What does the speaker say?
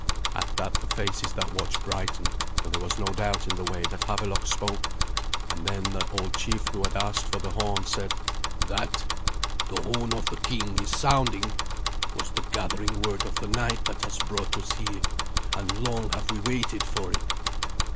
At that the faces that watched brightened, for there was no doubt in the way that Havelok spoke; and then the old chief who had asked for the horn said, "That 'The horn of the king is sounding' was the gathering word of the night that has brought us here, and long have we waited for it.